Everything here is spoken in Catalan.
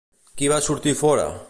Qui va sortir fora?